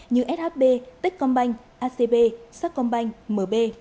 như shb ticcombanh acb saccombanh mb